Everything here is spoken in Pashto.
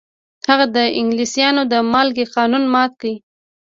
هغه د انګلیسانو د مالګې قانون مات کړ.